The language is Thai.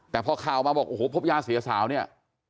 แต่พอข่าวมาบอกโอ้โหพบยาเสียสาวเนี่ย